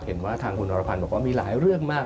เห็นว่าทางคุณอรพันธ์บอกว่ามีหลายเรื่องมาก